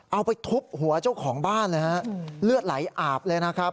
เอาไปทุบหัวเจ้าของบ้านเลยฮะเลือดไหลอาบเลยนะครับ